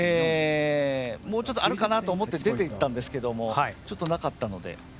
もうちょっと、あるかなと思って出ていったんですけどもちょっと、なかったので。